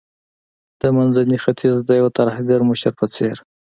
د منځني ختیځ د یو ترهګر مشر په څیر